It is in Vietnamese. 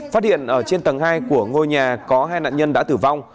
phát hiện ở trên tầng hai của ngôi nhà có hai nạn nhân đã tử vong